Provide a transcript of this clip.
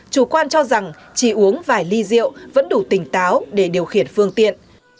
chủ quan cho rằng chỉ uống vài ly rượu vẫn đủ tỉnh táo để điều khiển phương tiện